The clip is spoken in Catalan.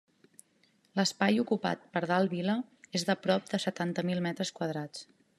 L'espai ocupat per dalt Vila és de prop de setanta mil metres quadrats.